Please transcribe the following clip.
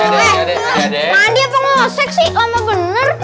ade ade ade mandi apa ngosek sih kamu bener